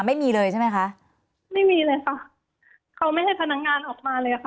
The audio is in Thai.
ไม่มีเลยใช่ไหมคะไม่มีเลยค่ะเขาไม่ให้พนักงานออกมาเลยค่ะ